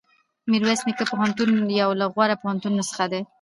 میرویس نیکه پوهنتون یو له غوره پوهنتونونو څخه دی.